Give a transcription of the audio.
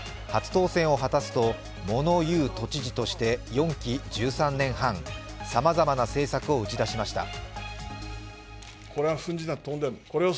初当選を果たすと物言うと知事として４期１３年半さまざまな政策を打ち出しました。